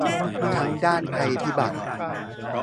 ทั้งด้านภัยพิบัติ